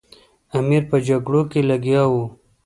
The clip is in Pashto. امیر په جګړو کې لګیا وو.